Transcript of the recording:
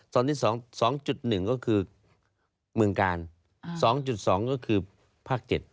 ตอนนี้๒๑ก็คือเมืองกาล๒๒ก็คือภาค๗